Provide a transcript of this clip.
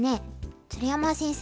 鶴山先生